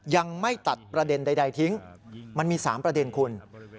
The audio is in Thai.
ยังไม่ตัดประเด็นใดทิ้งมันมี๓ประเด็นคุณ